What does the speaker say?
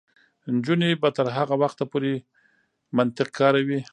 نجونې به تر هغه وخته پورې منطق کاروي.